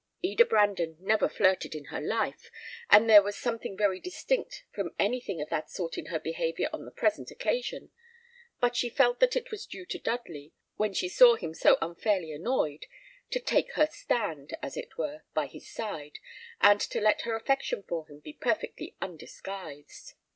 Eda Brandon never flirted in her life, and there was something very distinct from anything of that sort in her behaviour on the present occasion; but she felt that it was due to Dudley, when she saw him so unfairly annoyed, to take her stand, as it were, by his side, and to let her affection for him be perfectly undisguised.